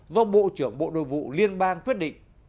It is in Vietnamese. do bộ trưởng bộ nội vụ liên bang quyết định